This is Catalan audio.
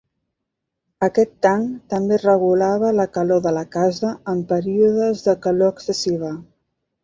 Aquest tanc també regulava la calor de la casa en períodes de calor excessiva.